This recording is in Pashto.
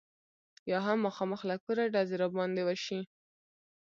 یا هم مخامخ له کوره ډزې را باندې وشي.